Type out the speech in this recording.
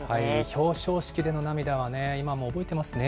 表彰式での涙は今も覚えてますね。